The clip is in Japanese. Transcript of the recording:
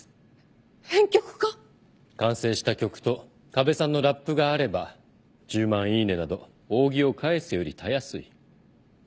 完成した曲とＫＡＢＥさんのラップがあれば１０万イイネなど扇を返すよりたやすい。